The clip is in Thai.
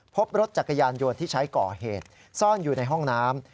พบรถจักรยานยนต์ที่ใช้ก่อเหตุซ่อนอยู่ในห้องน้ำ